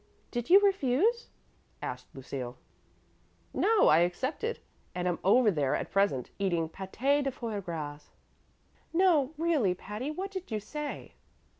Did you refuse?" asked Lucille. "No; I accepted, and am over there at present, eating pâté de foie gras." "No, really, Patty; what did you say?"